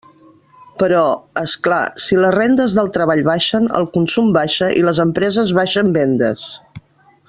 Però, és clar, si les rendes del treball baixen, el consum baixa i les empreses baixen vendes.